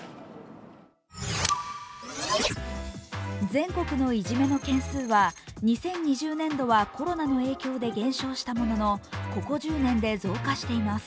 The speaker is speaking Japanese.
全国のいじめの件数は２０２０年度はコロナの影響で減少したもののここ１０年で増加しています。